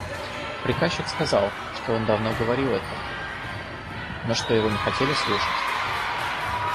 Приказчик сказал, что он давно говорил это, но что его не хотели слушать.